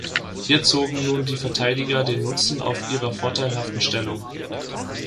Hier zogen nun die Verteidiger den Nutzen auf ihrer vorteilhaften Stellung.